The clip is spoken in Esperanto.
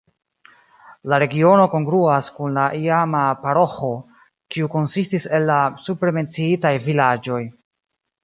La regiono kongruas kun la iama paroĥo, kiu konsistis el la supre menciitaj vilaĝoj.